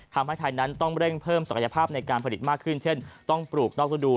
ทำให้ไทยนั้นต้องเร่งเพิ่มศักยภาพในการผลิตมากขึ้นเช่นต้องปลูกนอกฤดู